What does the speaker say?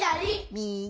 みぎ！